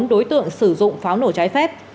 bốn đối tượng sử dụng pháo nổ trái phép